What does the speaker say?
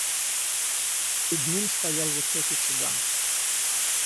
Пред ним стоял высокий цыган.